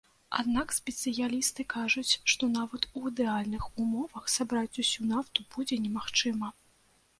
Аднак спецыялісты кажуць, што нават у ідэальных умовах сабраць усю нафту будзе немагчыма.